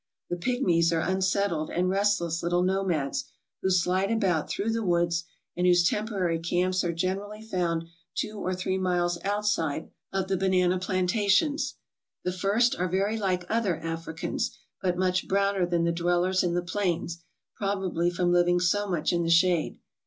The pigmies are unsettled and restless little nomads, who slide about through the woods, and whose temporary camps are generally found two or three miles outside of the banana 344 TRAVELERS AND EXPLORERS plantations. The first are very like other Africans, but much browner than the dwellers in the plains, probably from living so much in the shade.